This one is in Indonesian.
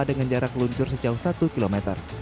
dengan jarak luncur sejauh satu km